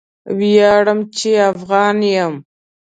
ویاړم چې افغان یم.